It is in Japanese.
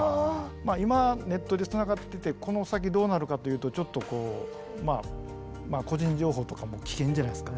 まあ今ネットで繋がっててこの先どうなるかというとちょっとこうまあ個人情報とかも危険じゃないですか。